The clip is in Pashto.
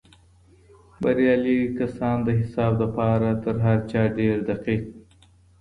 بريالي کسان د حساب دپاره تر هر چا ډېر دقیق وي.